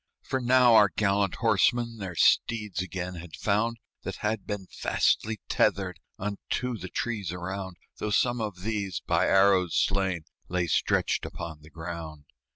For now our gallant horsemen Their steeds again had found, That had been fastly tethered Unto the trees around, Though some of these, by arrows slain, Lay stretched upon the ground.